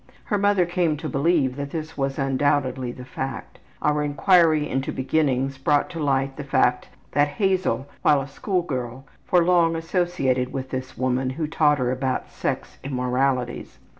Her mother came to believe that this was undoubtedly the fact. Our inquiry into beginnings brought to light the fact that Hazel while a school girl for long associated with this woman who taught her about sex immoralities.